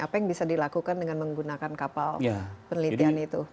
apa yang bisa dilakukan dengan menggunakan kapal penelitian itu